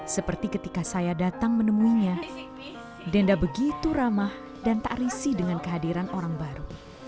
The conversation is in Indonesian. seperti ketika saya datang menemuinya denda begitu ramah dan tak risih dengan kehadiran orang baru